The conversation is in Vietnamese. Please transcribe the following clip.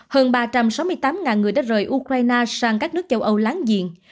hơn ba trăm sáu mươi tám người đã rời ukraine sang các nước châu âu láng giềng